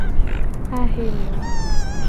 Ayemo.